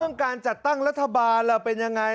เรื่องการจัดตั้งรัฐบาลเป็นยังไง